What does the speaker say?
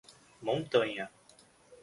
Montanha